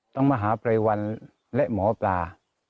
มหาภัยวันและหมอปลา